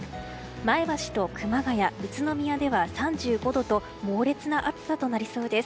前橋と熊谷、宇都宮では３５度と猛烈な暑さとなりそうです。